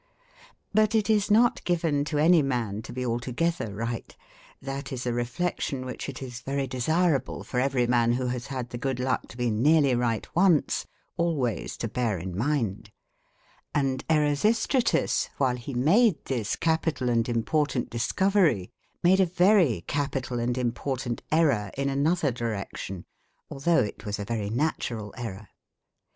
But it is not given to any man to be altogether right (that is a reflection which it is very desirable for every man who has had the good luck to be nearly right once, always to bear in mind); and Erasistratus, while he made this capital and important discovery, made a very capital and important error in another direction, although it was a very natural error.